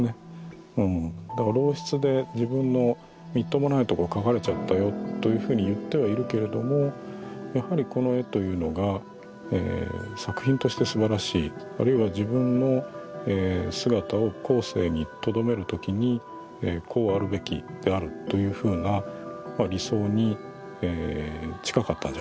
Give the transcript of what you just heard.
だから陋質で自分のみっともないとこ描かれちゃったよというふうに言ってはいるけれどもやはりこの絵というのがえ作品としてすばらしいあるいは自分の姿を後世にとどめるときにこうあるべきであるというふうな理想に近かったんじゃないでしょうかね。